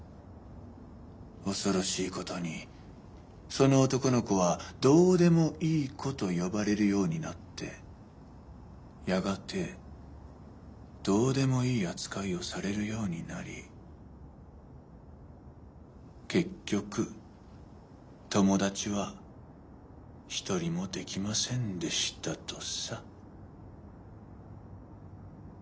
恐ろしいことにその男の子は「どうでもいい子」と呼ばれるようになってやがてどうでもいい扱いをされるようになり結局友達はひとりもできませんでしたとさ。